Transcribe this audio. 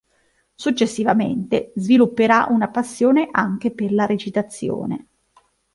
Successivamente, svilupperà una passione anche per la recitazione.